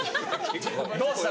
・どうした？